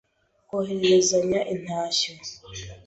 kohererezanya intashyo,